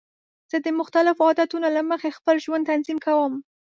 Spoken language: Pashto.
زه د مختلفو عادتونو له مخې خپل ژوند تنظیم کوم.